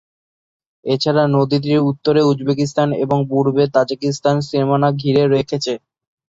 এছাড়াও নদীটির উত্তরে উজবেকিস্তান এবং পূর্বে তাজিকিস্তান সীমানা ঘিরে রেখেছে।